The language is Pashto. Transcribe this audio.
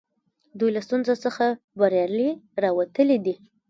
دوی له ستونزو څخه بریالي راوتلي دي.